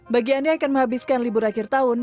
bagiannya akan menghabiskan libur akhir tahun